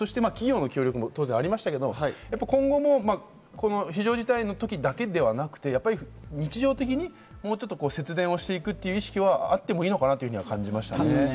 企業の協力も当然ありましたけれども、今後も非常事態の時だけではなくて、日常的にもう少し節電をしていくという意識はあってもいいのかなと思いましたね。